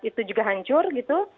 itu juga hancur gitu